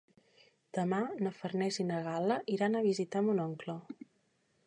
Demà na Farners i na Gal·la iran a visitar mon oncle.